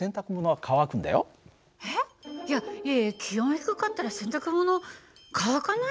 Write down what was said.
いやいやいや気温低かったら洗濯物乾かないでしょ。